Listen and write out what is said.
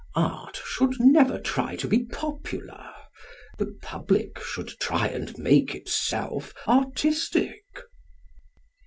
_Art should never try to be popular. The public should try and make itself artistic.